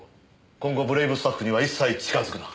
今後ブレイブスタッフには一切近づくな。